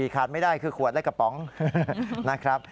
ขาดไม่ได้คือขวดและกระป๋องนะครับ